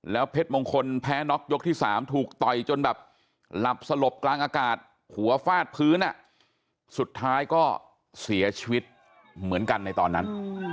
เพชรมงคลแพ้น็อกยกที่๓ถูกต่อยจนแบบหลับสลบกลางอากาศหัวฟาดพื้นสุดท้ายก็เสียชีวิตเหมือนกันในตอนนั้น